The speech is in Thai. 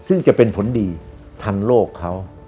ซึ่งจะเป็นผลดีทันโลกเขา